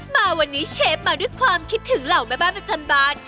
มาวันนี้เชฟมาด้วยความคิดถึงเหล่าแม่บ้านประจำบาน